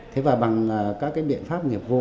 thế và bằng các cái biện pháp nghiệp vụ